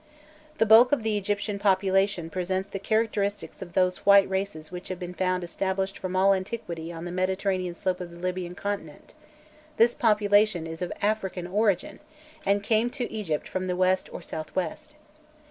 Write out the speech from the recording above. The bulk of the Egyptian population presents the characteristics of those white races which have been found established from all antiquity on the Mediterranean slope of the Libyan continent; this population is of African origin, and came to Egypt from the West or South West.